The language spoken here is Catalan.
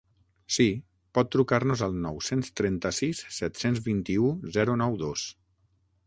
Sí, pot trucar-nos al nou-cents trenta-sis set-cents vint-i-u zero nou dos.